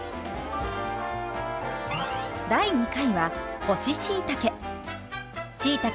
第２回は干ししいたけ。